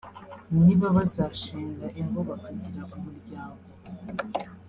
niba bazashinga ingo bakagira umuryango